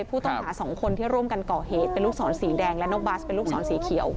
ผู้ต้องหาสองคนที่ร่วมกันก่อเหตุเป็นลูกศรสีแดงและน้องบัสเป็นลูกศรสีเขียว